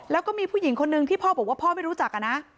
แล้วก็มีผู้หญิงคนนึงที่พ่อบอกว่าพ่อไม่รู้จักอะนะ